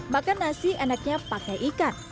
makan nasi enaknya pakai ikan